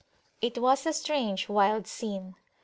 It was a strange, wild scene.